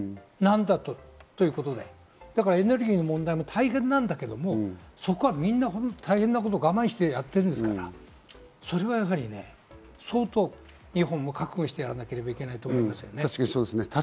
何だ？ということでエネルギーの問題も大変なんだけど、そこはみんな大変なところを我慢してやっているんですから、それはやはりね、相当日本も覚悟してやらなけいけないところだと思いますね。